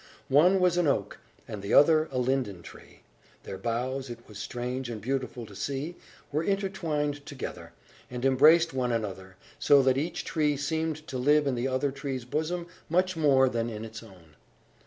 One was an oak, and the other a linden tree. Their boughs it was strange and beautiful to see were intertwined together, and embraced one another, so that each tree seemed to live in the other tree's bosom much more than in its own.